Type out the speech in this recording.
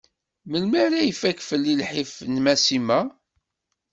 Melmi ara ifakk fell-i lḥif n Nasima?